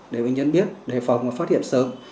để bệnh nhân biết đề phòng và phát hiện sớm